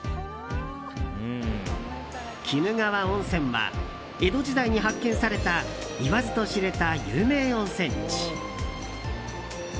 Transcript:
鬼怒川温泉は江戸時代に発見された言わずと知れた有名温泉地。